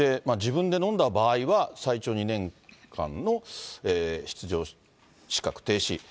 自分で飲んだ場合は、最長２年間の出場資格停止。